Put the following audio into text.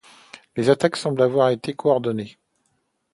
Les attaques semblent avoir été coordonnées.